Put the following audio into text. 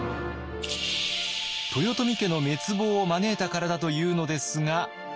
豊臣家の滅亡を招いたからだというのですが。